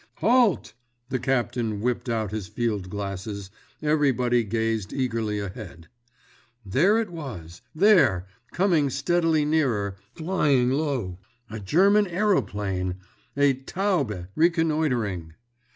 Halt! The captain whipped out his field glasses—everybody gazed eagerly ahead. There it was, there! coming steadily nearer, flying low—a German aeroplane—a "Taube" reconnoitering.